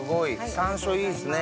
山椒いいですね。